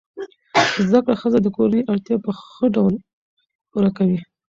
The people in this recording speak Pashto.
زده کړه ښځه د کورنۍ اړتیاوې په ښه ډول پوره کوي.